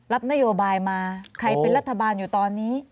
รับนโยบายมาใครเป็นรัฐบาลอยู่ตอนนี้